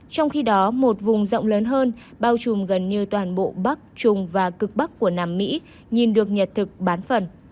trong khi đó một vùng rộng lớn hơn bao trùm gần như toàn bộ bắc trung và cực bắc của nam mỹ nhìn được nhật thực bán phần